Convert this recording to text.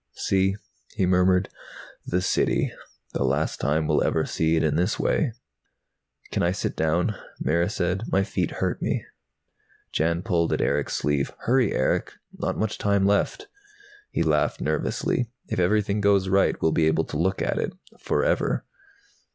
"See," he murmured. "The City. The last time we'll ever see it this way." "Can I sit down?" Mara said. "My feet hurt me." Jan pulled at Erick's sleeve. "Hurry, Erick! Not much time left." He laughed nervously. "If everything goes right we'll be able to look at it forever."